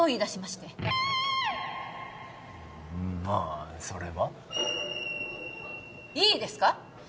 あそれはいいですか！